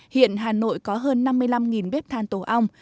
hiện hà nội có hơn năm mươi năm bếp than tổ ong